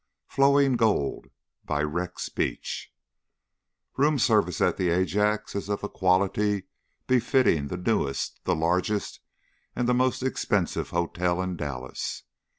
FLOWING GOLD CHAPTER I Room service at the Ajax is of a quality befitting the newest, the largest, and the most expensive hotel in Dallas.